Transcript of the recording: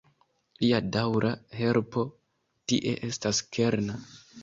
Lia daŭra helpo tie estas kerna.